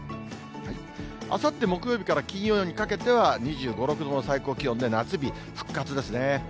あさって木曜日から金曜にかけては、２５、６度の最高気温で夏日復活ですね。